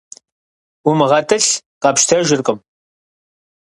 УмыгъэтӀылъ къэпщтэжыркъым.